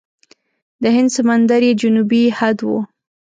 د هند سمندر یې جنوبي حد و.